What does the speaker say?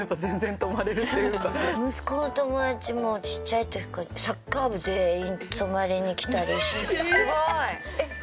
息子の友達もちっちゃい時からサッカー部全員泊まりに来たりして。